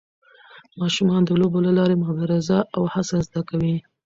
ماشومان د لوبو له لارې مبارزه او هڅه زده کوي.